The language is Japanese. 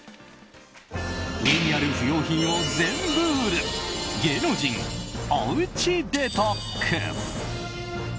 家にある不用品を全部売る芸能人おうちデトックス。